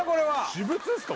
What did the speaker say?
私物ですか？